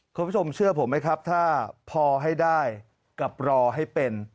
คุณผู้ชมเชื่อผมไหมครับถ้าพอให้ได้กับรอให้เป็น